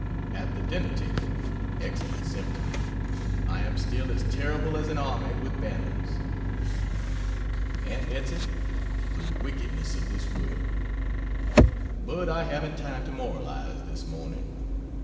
At the dinner table excellent symptom I am still as "terrible as an army with banners." Aunt Betsey the wickedness of this world but I haven't time to moralize this morning.